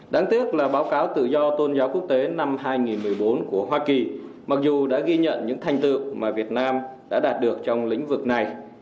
đáng tiếc là báo cáo tự do tôn giáo quốc tế năm hai nghìn một mươi bốn của hoa kỳ mặc dù đã ghi nhận những thành tựu mà việt nam đã đạt được trong lĩnh vực này